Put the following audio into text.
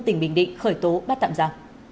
tỉnh bình định khởi tố bắt tạm ra